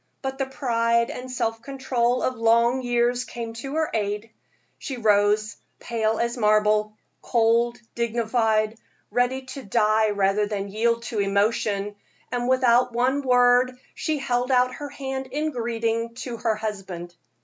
But the pride and self control of long years came to her aid; she rose, pale as marble, cold, dignified, ready to die rather than yield to emotion; and without one word, she held out her hand in greeting to her husband.